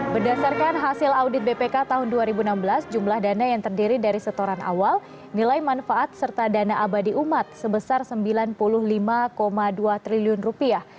berdasarkan hasil audit bpk tahun dua ribu enam belas jumlah dana yang terdiri dari setoran awal nilai manfaat serta dana abadi umat sebesar sembilan puluh lima dua triliun rupiah